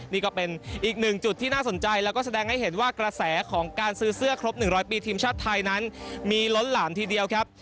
นี่ก็เป็นอีกหนึ่งจุดที่น่าสนใจแล้วก็แสดงให้เห็นว่ากระแสของการซื้อเสื้อครบ๑๐๐ปีทีมชาติไทยนั้นมีล้นหลามทีเดียวครับ